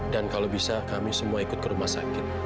dan kalau bisa kami semua ikut ke rumah sakit